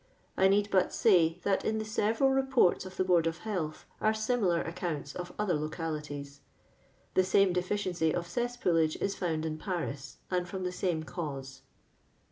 I need but say, that in the several reports of the Board of Health are similar accounts of other localities. The same defioioncy of cesspoolage is fbund in Paris, and from the same cause.